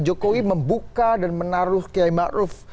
jokowi membuka dan menaruh kiai maruf